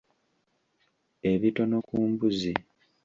Ebitono ku mbuzi.